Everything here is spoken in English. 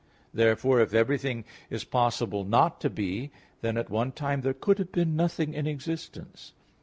Therefore, if everything is possible not to be, then at one time there could have been nothing in existence.